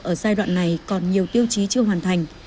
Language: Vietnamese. ở giai đoạn này còn nhiều tiêu chí chưa hoàn thành